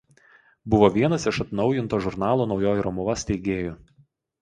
Buvo vienas iš atnaujinto žurnalo „Naujoji Romuva“ steigėjų.